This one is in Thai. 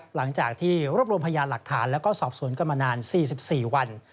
หลังจากที่รวบรวมพยานหลักฐานแล้วก็สอบสวนกันมานาน๔๔วัน